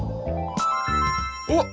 おっ！